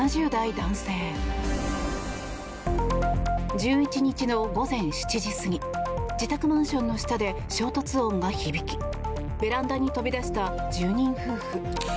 １１日の午前７時過ぎ自宅マンションの下で衝突音が響きベランダに飛び出した住人夫婦。